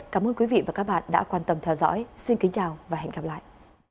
cảm ơn các bạn đã quan tâm theo dõi xin kính chào và hẹn gặp lại